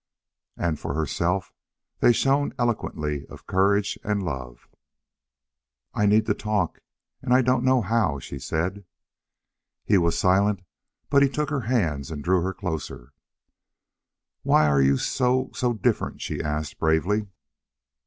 And for herself they shone eloquently of courage and love. "I need to talk and I don't know how," she said. He was silent, but he took her hands and drew her closer. "Why are you so so different?" she asked, bravely.